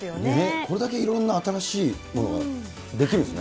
これだけいろんな新しいものが出来るんですね。